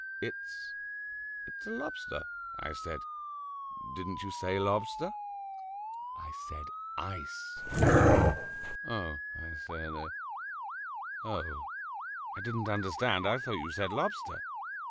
"It's it's a lobster," I said. "Didn't you say lobster?" "I said ice." "Oh," I said, "oh, I didn't understand. I thought you said lobster."